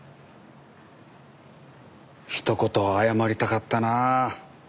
ひと言謝りたかったなあ。